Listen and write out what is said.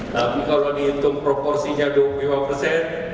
tapi kalau dihitung proporsinya dua puluh lima persen